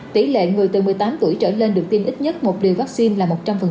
tỷ lệ người từ một mươi tám tuổi trở lên được tiêm ít nhất một liều vaccine là một trăm linh